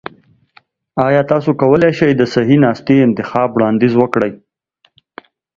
ایا تاسو کولی شئ د صحي ناستي انتخاب وړاندیز وکړئ؟